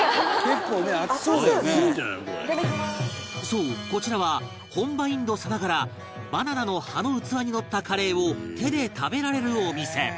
そうこちらは本場インドさながらバナナの葉の器にのったカレーを手で食べられるお店